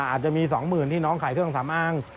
อาจจะมี๒หมื่นที่น้องขายเครื่องสำอาง